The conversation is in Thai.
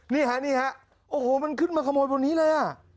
นี่ฮะนี่ฮะโอ้โหมันขึ้นมาขโมยบนนี้เลยอ่ะ